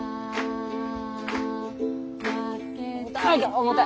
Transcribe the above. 重たい。